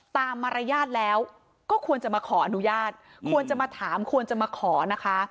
มารยาทแล้วก็ควรจะมาขออนุญาตควรจะมาถามควรจะมาขอนะคะ